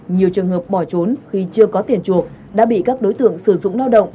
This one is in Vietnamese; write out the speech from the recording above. nhiều trường hợp bỏ trốn khi chưa có tiền chuộc đã bị các đối tượng sử dụng lao động